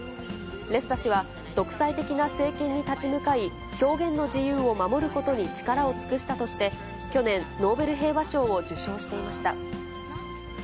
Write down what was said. レッサ氏は、独裁的な政権に立ち向かい、表現の自由を守ることに力を尽くしたとして、去年、ノーベル平和賞を受賞していました。